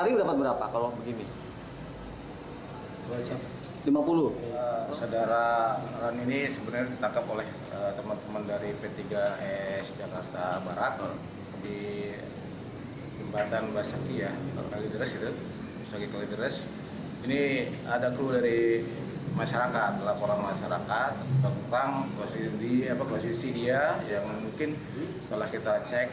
di jakarta barat di tempatan basakia di kalidres ini ada kru dari masyarakat laporan masyarakat tentang posisi dia yang mungkin setelah kita cek